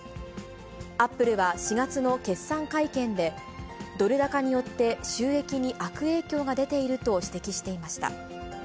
アップルは４月の決算会見で、ドル高によって収益に悪影響が出ていると指摘していました。